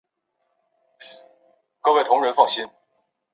港海豹是分布在北半球温带及极地海域的海豹。